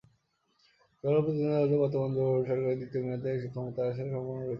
জোরালো প্রতিদ্বন্দ্বিতা হলেও বর্তমান জোট সরকারের দ্বিতীয় মেয়াদে ক্ষমতায় আসার সম্ভাবনা রয়েছে।